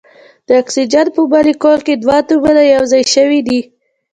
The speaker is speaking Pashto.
د اکسیجن په مالیکول کې دوه اتومونه یو ځای شوي دي.